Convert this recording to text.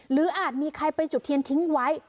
อาจมีใครไปจุดเทียนทิ้งไว้